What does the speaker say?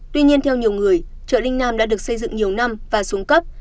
tuy nhiên theo nhiều người chợ linh nam đã được xây dựng nhiều năm và xuống cấp